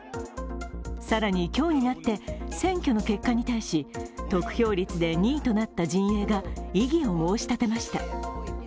更に、今日になって選挙の結果に対し、得票率で２位となった陣営が異議を申し立てました。